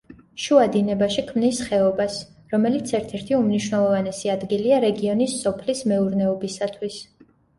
შუა დინებაში ქმნის ხეობას, რომელიც ერთ-ერთი უმნიშვნელოვანესი ადგილია რეგიონის სოფლის მეურნეობისათვის.